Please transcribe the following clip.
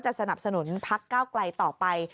จะสนับสนุนพรรคก้าวกลายต่อไป